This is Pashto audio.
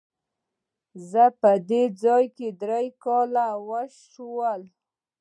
زما په دې ځای کي درې کاله وشوه !